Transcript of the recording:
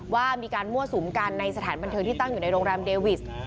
ว่ามีการมั่วสุมกันในสถานบันเทิงที่ตั้งอยู่ในโรงแรมเดวิส